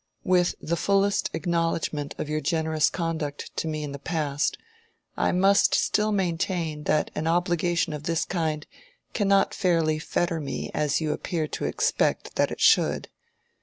With the fullest acknowledgment of your generous conduct to me in the past, I must still maintain that an obligation of this kind cannot fairly fetter me as you appear to expect that it should.